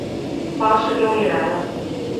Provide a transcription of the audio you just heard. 巴士终于来了